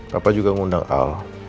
papa juga mengundang al